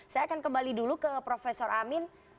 saya akan kembali dulu ke prof amin